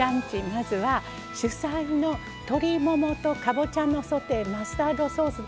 まずは、主菜の鶏ももとかぼちゃのソテーマスタードソース